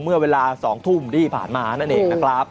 เมื่อเวลา๒ทุ่มที่ผ่านมานั่นเองนะครับ